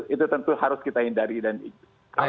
itu tentu harus kita hindari